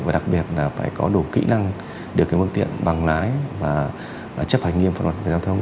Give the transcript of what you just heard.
và đặc biệt là phải có đủ kỹ năng điều khiển phương tiện bằng lái và chấp hành nghiêm pháp luật về giao thông